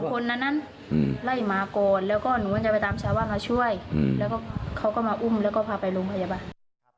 เขาก็มาอุ้มแล้วก็พาไปโรงพยาบาศ